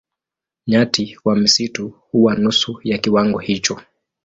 Nyati wa msitu huwa nusu ya kiwango hicho.